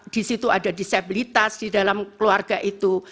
di situ ada disabilitas di dalam keluarga itu